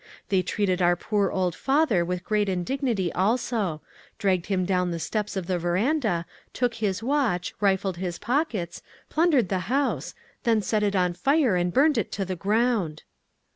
"They treated our poor old father with great indignity also; dragged him down the steps of the veranda, took his watch, rifled his pockets, plundered the house, then set it on fire and burned it to the ground."